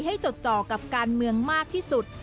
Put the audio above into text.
จดจ่อกับการเมืองมากที่สุด